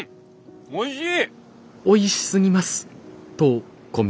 おいしい！